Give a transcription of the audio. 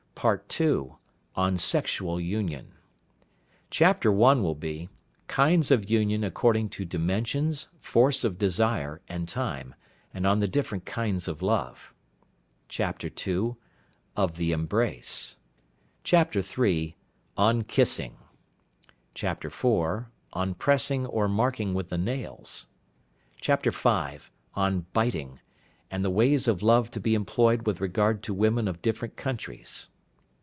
PART II. ON SEXUAL UNION. Chapter I. Kinds of Union according to Dimensions, Force of Desire, and Time; and on the different kinds of Love. " II. Of the Embrace. " III. On Kissing. " IV. On Pressing or Marking with the Nails. " V. On Biting, and the ways of Love to be employed with regard to Women of different countries.